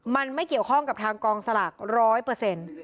มันไม่เกี่ยวข้องกับทางกองสลากร้อยเปอร์เซ็นต์